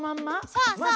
そうそう。